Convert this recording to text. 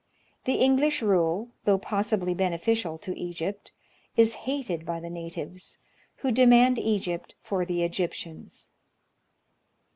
The English rule, though possibly beneficial to Egypt, is hated by the natives, who demand Egypt for the Egyptians.